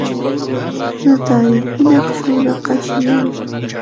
زه د تاریخي نقشو نقاشي ګورم.